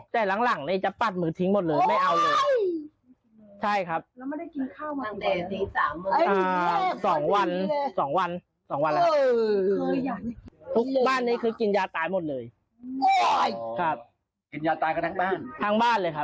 แต่หลัง